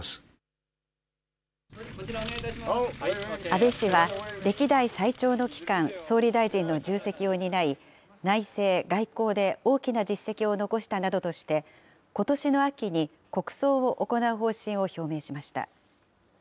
安倍氏は、歴代最長の期間、総理大臣の重責を担い、内政・外交で大きな実績を残したなどとして、ことしの秋に国葬を行う方針を表明しました。